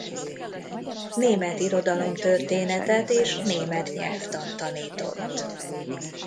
Német irodalomtörténetet és német nyelvtant tanított.